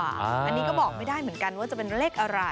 อันนี้ก็บอกไม่ได้เหมือนกันว่าจะเป็นเลขอะไร